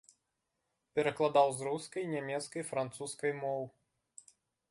Перакладаў з рускай, нямецкай, французскай моў.